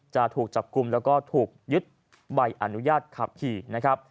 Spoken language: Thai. จะถูกจับกลุ่มแล้วก็ถูกยึดใบอนุญาตขับขี่นะครับ